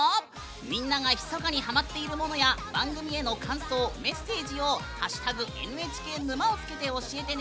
みんながひそかにハマってるものや番組への感想、メッセージを「＃ＮＨＫ沼」を付けて教えてね。